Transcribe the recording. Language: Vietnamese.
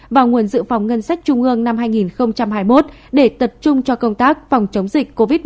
và nguồn dự phòng ngân sách trung ương năm hai nghìn hai mươi một để tập trung cho công tác phòng chống dịch covid một mươi chín